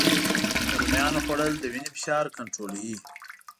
د رومیانو خوړل د وینې فشار کنټرولوي